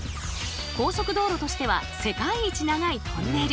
高速道路としては世界一長いトンネル。